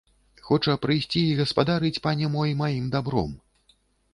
Хоча прыйсці і гаспадарыць, пане мой, маім дабром.